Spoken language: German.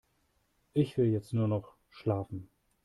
Ich will jetzt nur noch schlafen.